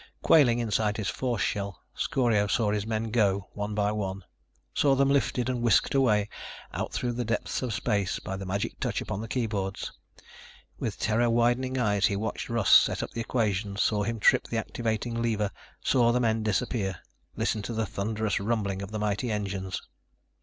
Quailing inside his force shell, Scorio saw his men go, one by one. Saw them lifted and whisked away, out through the depths of space by the magic touch upon the keyboards. With terror widened eyes he watched Russ set up the equations, saw him trip the activating lever, saw the men disappear, listened to the thunderous rumbling of the mighty engines.